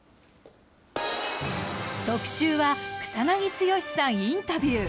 特集は、草なぎ剛さんインタビュー。